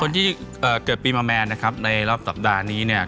คนที่เกิดปีมาแมนนะครับในรอบสัปดาห์นี้เนี่ย